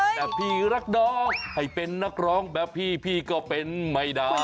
แต่พี่รักน้องให้เป็นนักร้องแบบพี่ก็เป็นไม่ได้